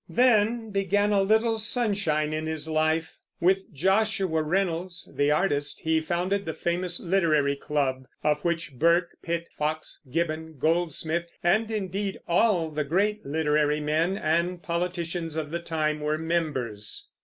Then began a little sunshine in his life. With Joshua Reynolds, the artist, he founded the famous Literary Club, of which Burke, Pitt, Fox, Gibbon, Goldsmith, and indeed all the great literary men and politicians of the time, were members.